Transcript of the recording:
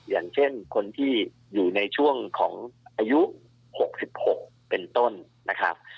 อย่างเช่นคนที่อยู่ในช่วงของอายุ๖๖เป็นต้นนะครับ